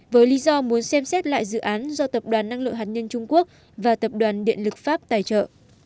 với lý do muốn xem xét lại dự án do tập đoàn năng lượng hạt nhân trung quốc và tập đoàn điện lực pháp tài trợ